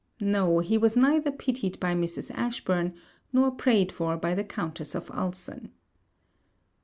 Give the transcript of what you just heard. No: he was neither pitied by Mrs. Ashburn, nor prayed for by the Countess of Ulson.